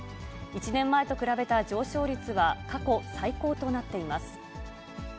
１年前と比べた上昇率は過去最高となっています。